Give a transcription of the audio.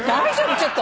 ちょっと。